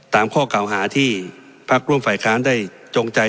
ข้อเก่าหาที่พักร่วมฝ่ายค้านได้จงใจ